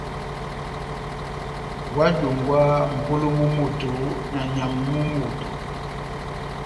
Óhádongwaha mʼpolo mú moto na nyamu mú moto.